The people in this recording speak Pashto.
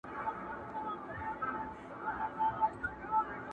چي مي ویني خلګ هر ځای کوي ډېر مي احترام ,